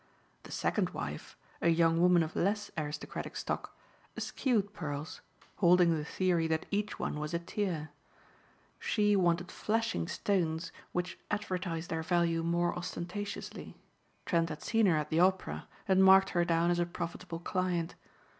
The second wife, a young woman of less aristocratic stock, eschewed pearls, holding the theory that each one was a tear. She wanted flashing stones which advertised their value more ostentatiously. Trent had seen her at the Opera and marked her down as a profitable client.